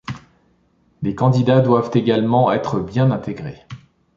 Les candidats doivent également être bien intégré.